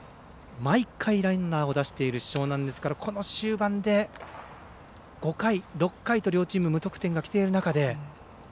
毎回、ランナーを出している樟南ですからこの終盤で５回、６回と両チーム無得点がきている中で。